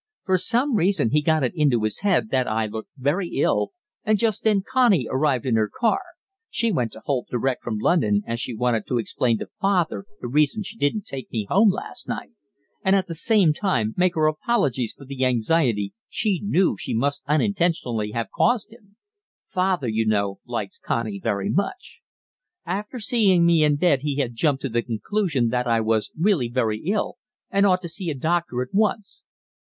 For some reason he got it into his head that I looked very ill, and just then Connie arrived in her car she went to Holt direct from London, as she wanted to explain to father the reason she didn't take me home last night, and at the same time make her apologies for the anxiety she knew she must unintentionally have caused him; father, you know, likes Connie very much. After seeing me in bed he had jumped to the conclusion that I was really very ill and ought to see a doctor at once.